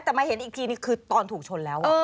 แต่มาเห็นอีกทีนี่คือตอนถูกชนแล้ว